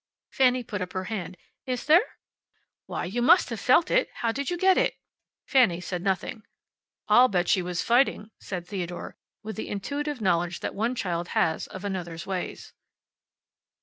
Fanny put up her hand. "Is there?" "Why, you must have felt it. How did you get it?" Fanny said nothing. "I'll bet she was fighting," said Theodore with the intuitive knowledge that one child has of another's ways.